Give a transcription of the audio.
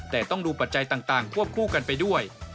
แต่ต้องดูปัจจัยต่างควบคู่กันไปด้วย